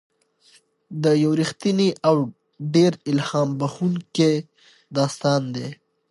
دا یو رښتینی او ډېر الهام بښونکی داستان دی.